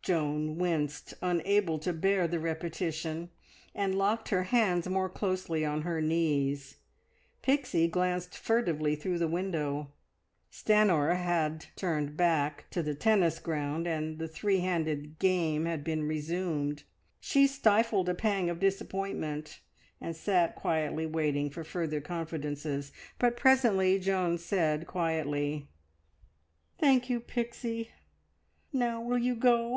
Joan winced, unable to bear the repetition, and locked her hands more closely on her knee. Pixie glanced furtively through the window. Stanor had turned back to the tennis ground and the three handed game had been resumed. She stifled a pang of disappointment and sat quietly waiting for further confidences, but presently Joan said quietly "Thank you, Pixie. Now will you go?